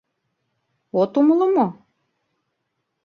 От умыло мо?